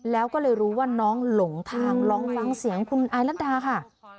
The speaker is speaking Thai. แล้วก็เลยรู้ว่าน้องหลงทางลองฟังเสียงคุณอายรัฐดาค่ะ